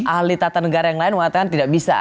ahli tata negara yang lain mengatakan tidak bisa